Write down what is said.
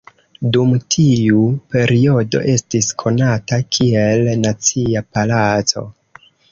Dum tiu periodo estis konata kiel Nacia Palaco.